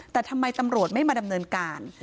แต่ทำไมตำรวจไม่มาดำเนินการ